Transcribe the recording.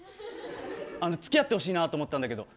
つき合ってほしいなと思ったんだけど。